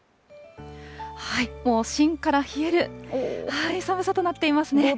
もう、しんから冷える寒さとなっていますね。